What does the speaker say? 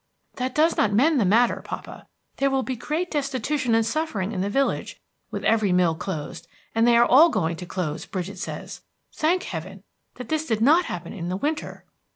"That does not mend the matter, papa. There will be great destitution and suffering in the village with every mill closed; and they are all going to close, Bridget says. Thank Heaven that this did not happen in the winter!"